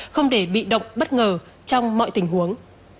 không để bị động bất ngờ trong mọi tình huống